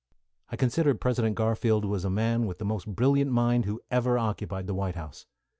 I consider President Garfield was a man with the most brilliant mind who ever occupied the White House.